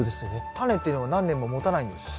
タネっていうのは何年ももたないんですか？